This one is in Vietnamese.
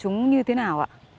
chúng như thế nào ạ